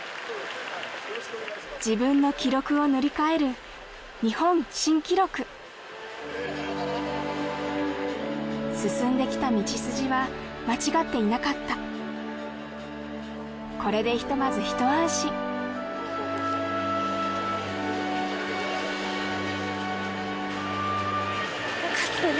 自分の記録を塗り替える日本新記録進んできた道筋は間違っていなかったこれでひとまずひと安心よかったね